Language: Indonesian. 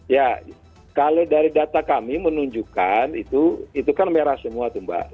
ya kalau dari data kami menunjukkan itu kan merah semua tuh mbak